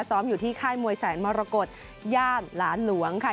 ซ้อมอยู่ที่ค่ายมวยแสนมรกฏย่านหลานหลวงค่ะ